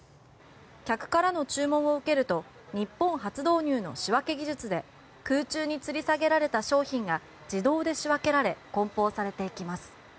客からの注文を受けると日本初導入の仕分け技術で空中につり下げられた商品が自動で仕分けられ梱包されていきます。